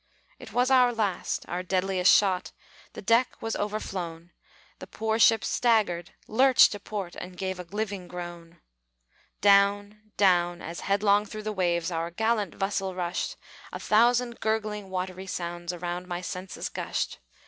It was our last, our deadliest shot; The deck was overflown; The poor ship staggered, lurched to port, And gave a living groan. Down, down, as headlong through the waves Our gallant vessel rushed, A thousand gurgling, watery sounds Around my senses gushed.